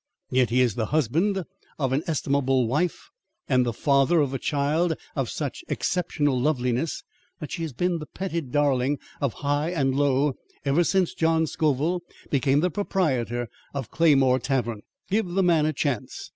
Yet he is the husband of an estimable wife and the father of a child of such exceptional loveliness that she has been the petted darling of high and low ever since John Scoville became the proprietor of Claymore Tavern. "Give the man a chance.